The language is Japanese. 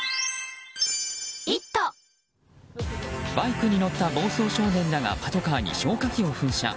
バイクに乗った暴走少年らがパトカーに消火器を噴射。